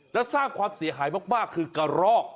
และสร้างความเสียหายมากคือกระรอก